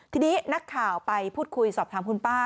ทีนี้นักข่าวไปพูดคุยสอบถามคุณป้า